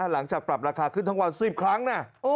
หลังจากปรับราคาขึ้นทั้งวัน๑๐ครั้งนะ